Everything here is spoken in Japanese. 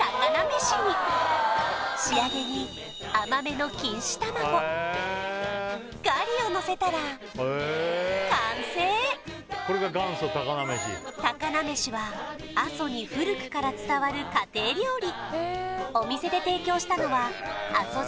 めしに仕上げに甘めの錦糸卵ガリをのせたら完成たかなめしは阿蘇に古くから伝わる家庭料理お店で提供したのはあそ